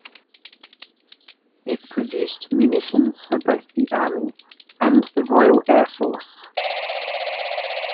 It produced munitions for both the Army and the Royal Air Force.